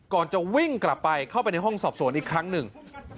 ก่อนจะวิ่งกลับไปเข้าไปในห้องสอบสวนอีกครั้งหนึ่ง